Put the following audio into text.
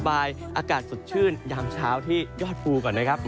อากาศสดชื่นยามเช้าที่ยอดภูก่อนนะครับ